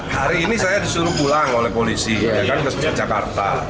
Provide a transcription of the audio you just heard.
hari ini saya disuruh pulang oleh polisi ke jakarta